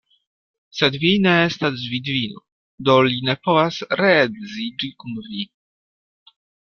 Sed vi ne estas vidvino; do li ne povas reedziĝi kun vi.